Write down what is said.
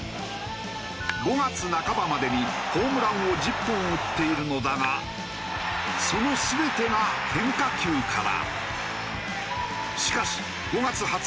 ５月半ばまでにホームランを１０本打っているのだがその全てが変化球から。